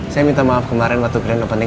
saya minta maaf kemarin waktu keren